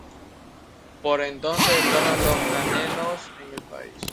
Por entonces estaban los cananeos en el país.